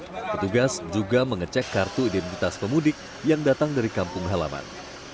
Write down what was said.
petugas juga mengecek kartu identitas pemudik yang datang dari kampung halaman